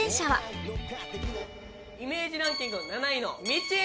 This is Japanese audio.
イメージランキング７位のみっちー。